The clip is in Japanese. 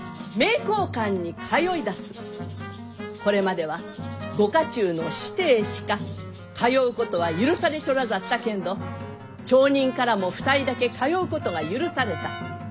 これまではご家中の子弟しか通うことは許されちょらざったけんど町人からも２人だけ通うことが許された。